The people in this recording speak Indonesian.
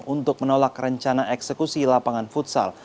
untuk menolak rencana eksekusi lapangan futsal